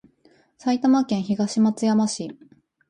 埼玉県東松山市